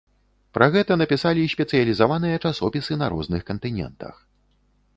Пра гэта напісалі спецыялізаваныя часопісы на розных кантынентах.